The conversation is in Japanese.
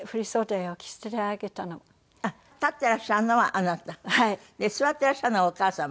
立っていらっしゃるのはあなた？で座っていらっしゃるのがお母様？